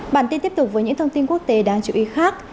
bản tin tiếp tục với những thông tin quốc tế đáng chú ý khác